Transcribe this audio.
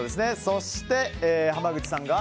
そして濱口さんが。